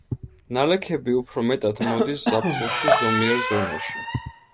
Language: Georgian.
ნალექები უფრო მეტად მოდის ზაფხულში ზომიერ ზონაში.